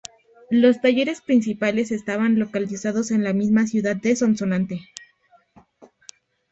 Los talleres principales estaban localizados en la misma ciudad de Sonsonate.